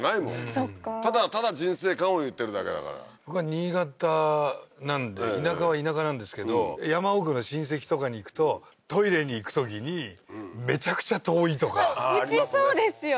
そっかただただ人生観を言ってるだけだから僕は新潟なんで田舎は田舎なんですけど山奥の親戚とかに行くとトイレに行くときにめちゃくちゃ遠いとかうちそうですよ